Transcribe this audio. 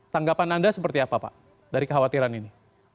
tanggapan anda seperti apa pak dari kekhawatiran ini